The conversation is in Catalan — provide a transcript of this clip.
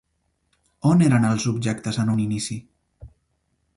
On eren els objectes en un inici?